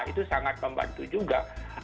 itu sangat membantu juga